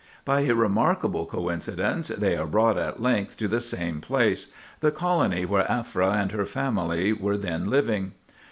By a remarkable coincidence, they are brought at length to the same place—the colony where Aphra and her family were then living.